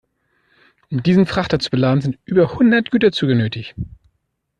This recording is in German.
Um diesen Frachter zu beladen, sind über hundert Güterzüge nötig.